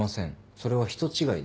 それは人違いです。